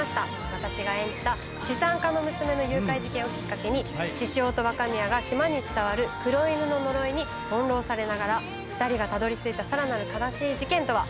私が演じた資産家の娘の誘拐事件をきっかけに獅子雄と若宮が島に伝わる黒犬の呪いに翻弄されながら２人がたどりついたさらなる悲しい事件とは？